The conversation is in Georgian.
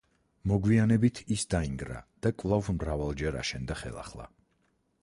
მოგვიანებით, ის დაინგრა და კვლავ მრავალჯერ აშენდა ხელახლა.